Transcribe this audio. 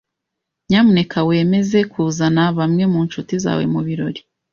Nyamuneka wemeze kuzana bamwe mu nshuti zawe mubirori.